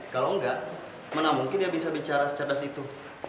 kalau enggak mana mungkin dia bisa bicara secara situ